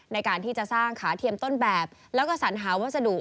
ในการที่จะสร้างขาเทียมต้นแบบแล้วก็สัญหาวัสดุ